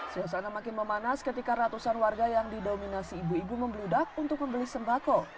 suasana makin memanas ketika ratusan warga yang didominasi ibu ibu membeludak untuk membeli sembako